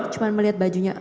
cuma melihat bajunya